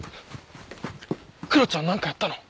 クロちゃんなんかやったの？